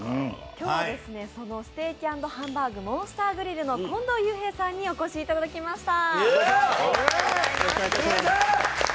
今日はそのステーキ＆ハンバーグモンスターグリルの近藤勇平さんにお越しいただきました。